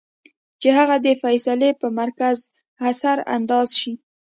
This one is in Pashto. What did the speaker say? چې هغه د فېصلې پۀ مرکز اثر انداز شي -